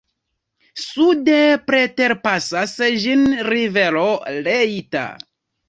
Sude preterpasas ĝin rivero Leitha.